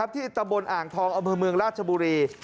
ที่ตะบนอ่างทองอำเภอเมืองราชบุรี